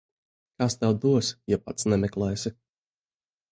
Kas tev dos, ja pats nemeklēsi.